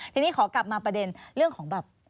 ทีนี้ขอกลับมาประเด็นเรื่องของแบบ